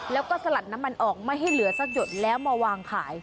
แล้วก็สลัดน้ำมันออกไม่ให้เหลือสักหยดแล้วมาวางขาย